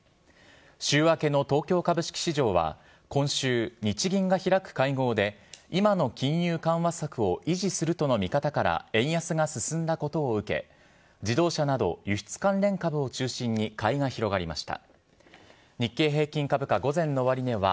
週明けの東京株式市場は今週、日銀が開く会合で、今の金融緩和策を維持するとの見方から円安が進んだことを受け、自動車など輸出関連株を中心に買いが広がりました。